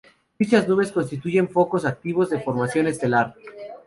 Dichas nubes constituyen focos activos de formación estelar.